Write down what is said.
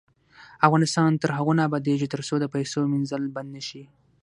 افغانستان تر هغو نه ابادیږي، ترڅو د پیسو مینځل بند نشي.